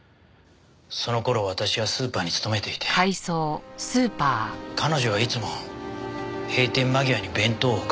その頃私はスーパーに勤めていて彼女はいつも閉店間際に弁当を買いに来る客でした。